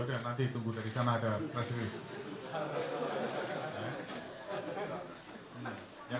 pak peristiwa itu berhubungan ya pak yang surabaya lalu yang